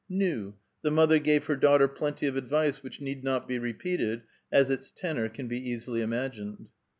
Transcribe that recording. Nu! the mother gave her daughter plenty of advice which need not be repeated, as its tenor can be easily imagined.